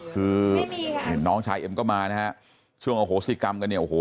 คือเห็นน้องชายเอ็มก็มานะฮะช่วงอโหสิกรรมกันเนี่ยโอ้โห